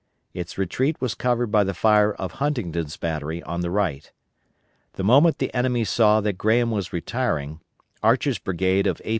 Its retreat was covered by the fire of Huntington's battery on the right. The moment the enemy saw that Graham was retiring, Archer's brigade of A.